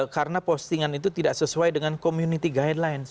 karena postingan itu tidak sesuai dengan community guidelines